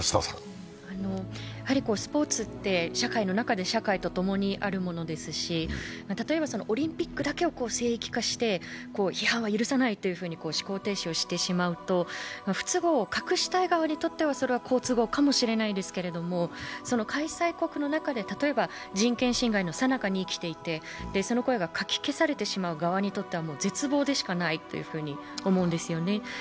スポーツって、社会の中で社会と共にあるものですし例えばオリンピックだけを聖域化して、批判は許さないというふうに思考停止をしてしまうと、不都合を隠したい側にとっては好都合かもしれませんけど、開催国の中で、例えば人権侵害のさなかに生きていてその声がかき消されてしまう側にとっては絶望でしかないと思うんです。